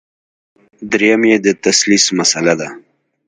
درېیم یې د تثلیث مسله ده.